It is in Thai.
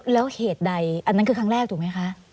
แล้วเหตุใดอันนั้นคือครั้งแรกถูกไหมคะ